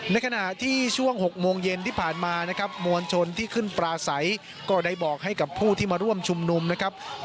ในขณะที่ช่วง๖โมงเย็นที่ผ่านมานะครับมวลชนที่ขึ้นปลาใสก็ได้บอกให้กับผู้ที่มาร่วมชุมนุมนะครับ